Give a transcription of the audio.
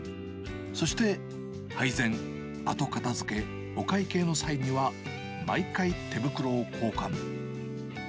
そして配膳、後片づけ、お会計の際には、毎回、手袋を交換。